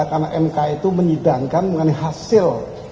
karena mk itu menyidangkan mengenai hasil